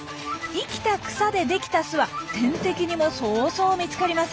生きた草で出来た巣は天敵にもそうそう見つかりません。